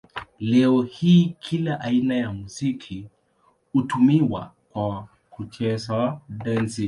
Leo hii kila aina ya muziki hutumiwa kwa kucheza dansi.